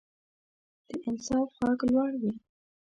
د انصاف غږ لوړ وي